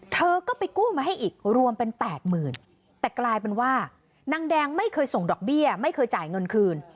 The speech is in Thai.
เธอก็ไปกู้มาให้อีกรวมเป็น๘๐๐๐แต่กลายเป็นว่านางแดงไม่เคยส่งดอกเบี้ยไม่เคยจ่ายเงินคืน